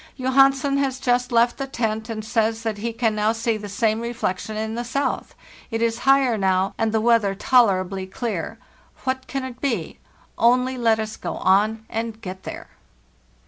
Johansen has just left the tent, and says that he can see the same reflection in the south; it is higher now, and the weather tolerably clear. What can it be? Only let us go on and get there.